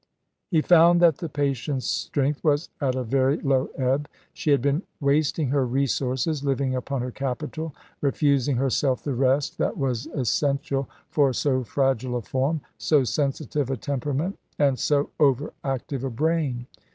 He found that the patient's strength was at a very low ebb. She had been wasting her resources, living upon her capital, refusing herself the rest that was essential for so fragile a form, so sensitive a temperament, and so over active a brain.